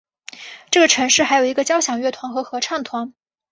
这个城市还有一个交响乐团和合唱团。